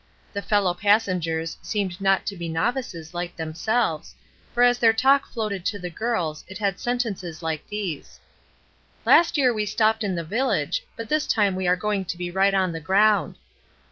The fellow passengers seemed not to be novices like themselves, for as their talk floated to the girls it had sentences like these: "Last year we stopped in the village, but this time we are going to be right on the ground."